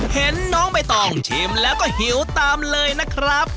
เห็นน้องใบตองชิมแล้วก็หิวตามเลยนะครับ